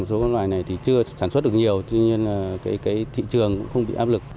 số con loại này thì chưa sản xuất được nhiều tuy nhiên là thị trường cũng không bị áp lực